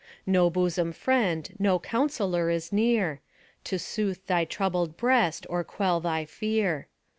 No bosom friend, no counselor is near, , To sooth thy troubled breast, or quell thy fear.